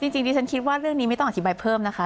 จริงดิฉันคิดว่าเรื่องนี้ไม่ต้องอธิบายเพิ่มนะคะ